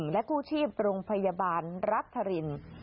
และกู้ชีพโรงพยาบาลรัชริน